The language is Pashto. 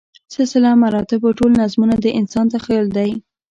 سلسله مراتبو ټول نظمونه د انسان تخیل دی.